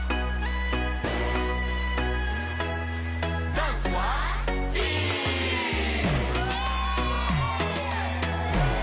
ダンスはＥ！